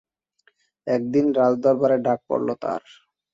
একদিন রাজদরবারে ডাক পড়ল তার।